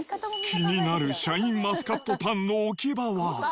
気になるシャインマスカットパンの置き場所は。